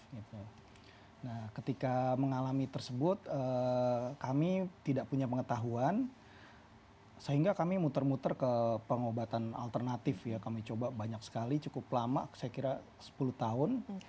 nah ketika mengalami tersebut kami tidak punya pengetahuan sehingga kami muter muter ke pengobatan alternatif ya kami coba banyak sekali cukup lama saya kira sepuluh tahun